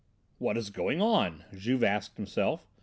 "What is going on?" Juve asked himself.